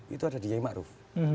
itu ada di yai maruf